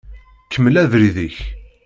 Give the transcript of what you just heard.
Kemmel abrid-ik.